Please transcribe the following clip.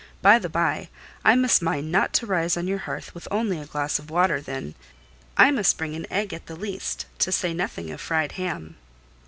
By the bye, I must mind not to rise on your hearth with only a glass of water then: I must bring an egg at the least, to say nothing of fried ham."